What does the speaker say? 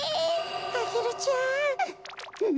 アゲルちゃん。